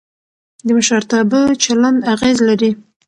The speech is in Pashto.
د مشرتابه چلند اغېز لري